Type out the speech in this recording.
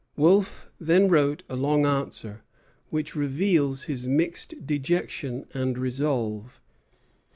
Wolfe then wrote a long answer, which reveals his mixed dejection and resolve.